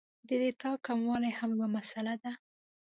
د ډېټا کموالی هم یو مسئله ده